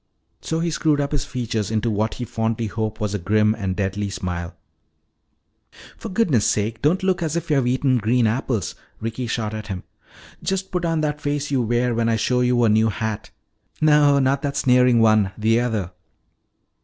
So he screwed up his features into what he fondly hoped was a grim and deadly smile. "For goodness sake, don't look as if you had eaten green apples," Ricky shot at him. "Just put on that face you wear when I show you a new hat. No, not that sneering one; the other."